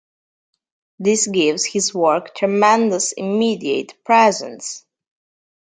This gives his work tremendous immediate presence.